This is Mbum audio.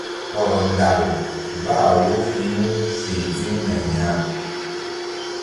Hɔrɔ ndal bah wo hi̧ mu fe ziŋna ya.